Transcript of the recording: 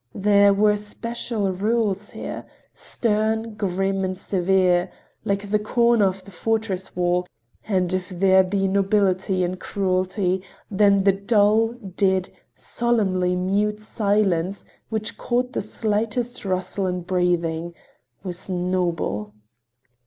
There were special rules there, stern, grim and severe, like the corner of the fortress wall, and if there be nobility in cruelty, then the dull, dead, solemnly mute silence, which caught the slightest rustle and breathing, was noble.